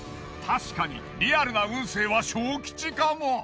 確かにリアルな運勢は小吉かも。